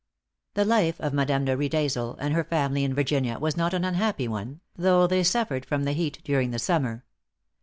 The life of Madame de Riedesel and her family in Virginia was not an unhappy one, though they suffered from the heat during the summer.